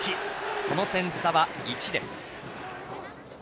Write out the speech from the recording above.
その点差は１です。